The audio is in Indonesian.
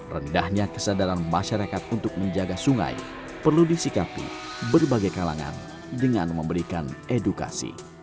rendahnya kesadaran masyarakat untuk menjaga sungai perlu disikapi berbagai kalangan dengan memberikan edukasi